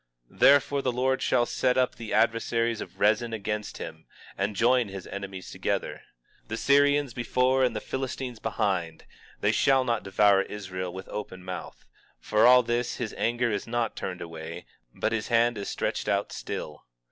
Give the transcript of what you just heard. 19:11 Therefore the Lord shall set up the adversaries of Rezin against him, and join his enemies together; 19:12 The Syrians before and the Philistines behind; and they shall devour Israel with open mouth. For all this his anger is not turned away, but his hand is stretched out still.